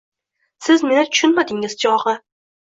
Siz meni tushunmadingiz chog`i